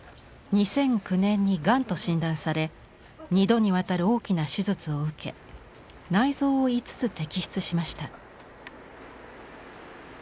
２００９年にがんと診断され２度にわたる大きな手術を受け内臓を５つ摘出しました。